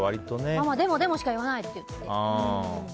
ママ、でも、でもしか言わないって。